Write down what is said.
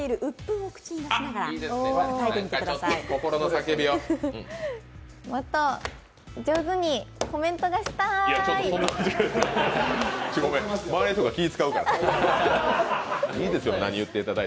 もっと上手にコメントがしたい！